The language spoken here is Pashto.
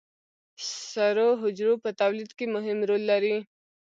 سرو حجرو په تولید کې مهم رول لري